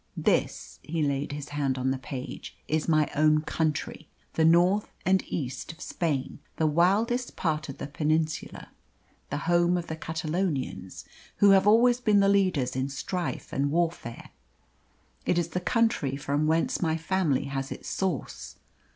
This" he laid his hand on the page "is my own country, the north and east of Spain, the wildest part of the Peninsula, the home of the Catalonians, who have always been the leaders in strife and warfare. It is the country from whence my family has its source.